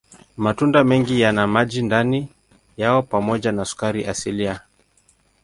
Matunda mengi yana maji ndani yao pamoja na sukari asilia.